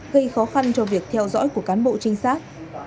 gây khó khăn cho việc theo dõi của cán bộ trinh sát